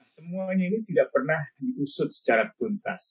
semuanya ini tidak pernah diusut secara puntas